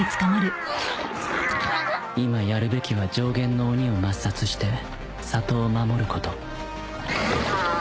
今やるべきは上弦の鬼を抹殺して里を守ることグアーッ！